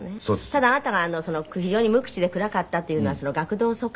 ただあなたが非常に無口で暗かったというのは学童疎開というか。